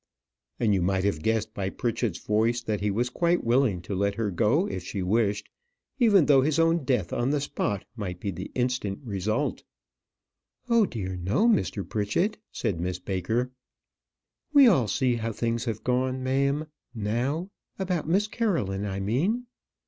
and you might have guessed by Pritchett's voice that he was quite willing to let her go if she wished, even though his own death on the spot might be the instant result. "Oh dear, no, Mr. Pritchett," said Miss Baker. "We all see how things have gone, ma'am, now; about Miss Caroline, I mean."